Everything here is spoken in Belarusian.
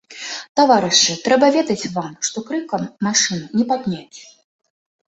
Таварышы, трэба ведаць вам, што крыкам машыну не падняць.